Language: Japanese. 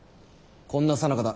こんなさなかだ。